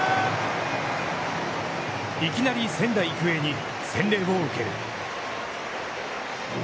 いきなり仙台育英に洗礼を受ける。